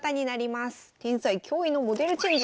「天才驚異のモデルチェンジ？」。